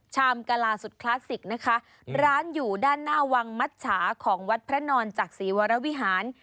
กะลาสุดคลาสสิกนะคะร้านอยู่ด้านหน้าวังมัชชาของวัดพระนอนจักษีวรวิหาร